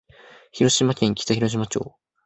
広島県北広島町